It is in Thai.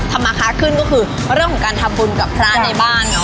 ธรรมคาขึ้นก็คือเมื่อร่วมของการทำบุญกับพระในบ้าน